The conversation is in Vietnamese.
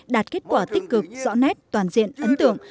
đạt kết quả tích cực rõ nét toàn diện ấn tượng